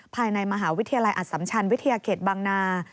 ภายในมหาวิทยาลัยอสัมชันวิทยาเขตบางนา